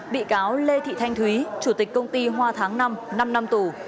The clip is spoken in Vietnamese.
bị cáo lê thị thanh thúy chủ tịch công ty hoa tháng năm năm tù